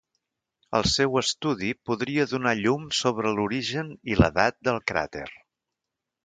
El seu estudi podria donar llum sobre l'origen i l'edat del cràter.